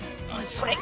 それ！